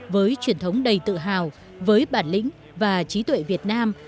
với truyền thống đầy tự hào với bản lĩnh và trí tuệ việt nam